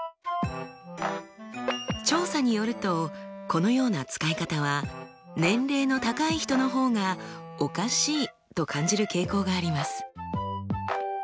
調査によるとこのような使い方は年齢の高い人の方がおかしいと感じる傾向があります。